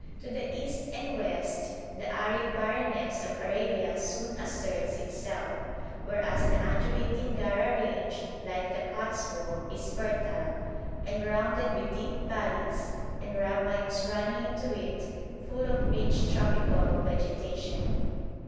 To the east and west the arid barrenness of Arabia soon asserts itself, whereas the undulating Gara range, like the Cotswold, is fertile, and rounded with deep valleys and ravines running into it full of rich tropical vegetation.